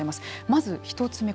まず１つ目。